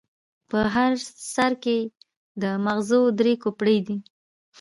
په هر سر کې یې د ماغزو درې کوپړۍ دي.